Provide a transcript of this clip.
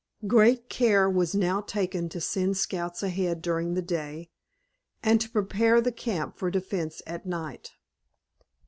Great care was now taken to send scouts ahead during the day and to prepare the camp for defense at night.